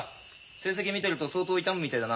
成績見てると相当痛むみてえだな。